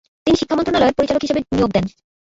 তিনি শিক্ষা মন্ত্রণালয়ের পরিচালক হিসেবে নিয়োগ দেন।